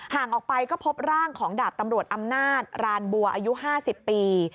ห่างออกไปก็พบร่างของดาบตำรวจอำนาจรานบัวอายุ๕๐ปี